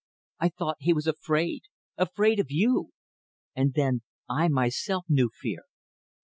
I thought he was afraid. Afraid of you! Then I, myself, knew fear.